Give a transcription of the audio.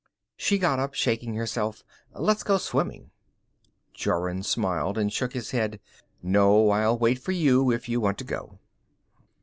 She got up, shaking herself. "Let's go swimming." Jorun smiled and shook his head. "No, I'll wait for you if you want to go."